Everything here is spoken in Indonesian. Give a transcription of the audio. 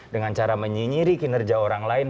dengan cara menyinyiri kinerja orang lain